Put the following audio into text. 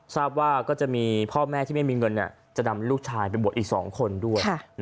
ทราบว่าก็จะมีพ่อแม่ที่ไม่มีเงินจะนำลูกชายไปบวชอีก๒คนด้วย